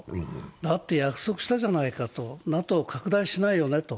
だって約束したじゃないか、ＮＡＴＯ拡大しないよねと。